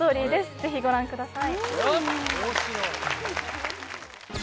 ぜひご覧ください